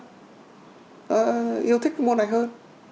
nó yêu thích cái môn này hơn